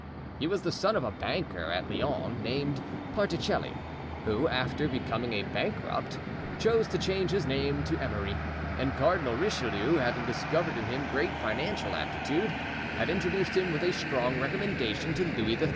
He was the son of a banker at Lyons named Particelli, who, after becoming a bankrupt, chose to change his name to Emery; and Cardinal Richelieu having discovered in him great financial aptitude, had introduced him with a strong recommendation to Louis XIII.